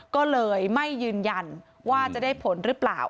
ก็เลยไม่ยืนยันว่าจะได้ผลหรือเปล่า